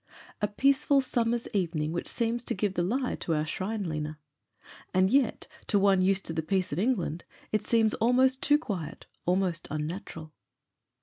A peaceful summer's evening which seems to give the lie to our shrine leaner. And yet, to one used to the peace of England, it seems almost too quiet, almost unnatural.